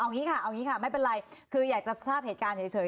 เอาอย่างนี้ค่ะไม่เป็นไรคืออยากจะทราบเหตุการณ์เฉย